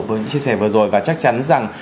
với những chia sẻ vừa rồi và chắc chắn rằng